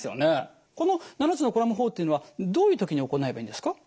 この７つのコラム法っていうのはどういう時に行えばいいんですか？